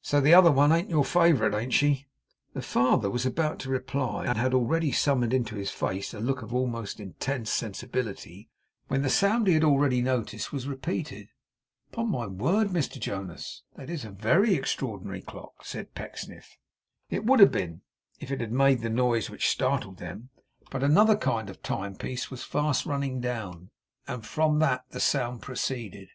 'So the other one ain't your favourite, ain't she?' The fond father was about to reply, and had already summoned into his face a look of most intense sensibility, when the sound he had already noticed was repeated. 'Upon my word, Mr Jonas, that is a very extraordinary clock,' said Pecksniff. It would have been, if it had made the noise which startled them; but another kind of time piece was fast running down, and from that the sound proceeded.